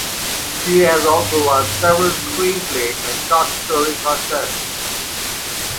She has also won several screenplay and short story contests.